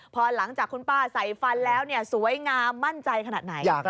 พอหลังจากคุณป้าใส่ฟันแล้วสวยงามมั่นใจขนาดไหน